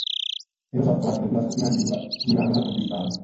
Jeho zakladateli byla skupina Židů z Íránu a Kurdistánu.